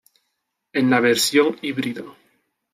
En la versión híbrida.